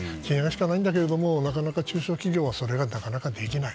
しかし、なかなか中小企業はそれがなかなかできない。